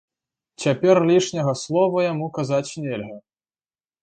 Цяпер лішняга слова яму казаць нельга.